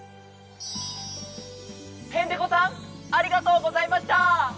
ヘンテコさんありがとうございました！